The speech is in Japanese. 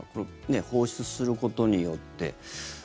放出することによって。